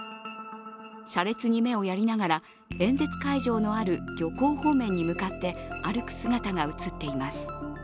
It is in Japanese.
車列に目をやりながら演説会場のある漁港方面に向かって歩く姿が映っています。